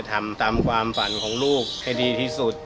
ทำตามความฝันของลูกให้ดีที่สุด